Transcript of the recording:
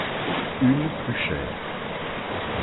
Une plus chère.